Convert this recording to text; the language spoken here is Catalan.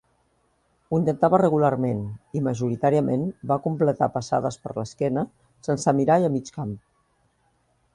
Ho intentava regularment, i majoritàriament va completar passades per l'esquena, sense mirar i a mig camp.